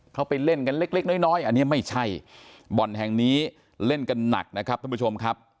เขาไปเล่นกันเล็กเล็กน้อยน้อยอันนี้ไม่ใช่บ่อนแห่งนี้เล่นกันหนักนะครับท่านผู้ชมครับ